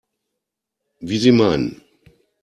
Wie Sie meinen.